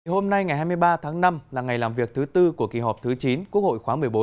hôm nay ngày hai mươi ba tháng năm là ngày làm việc thứ tư của kỳ họp thứ chín quốc hội khóa một mươi bốn